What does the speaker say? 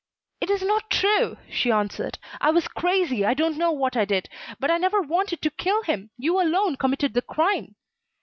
"It is not true," she answered. "I was crazy, I don't know what I did, but I never wanted to kill him. You alone committed the crime."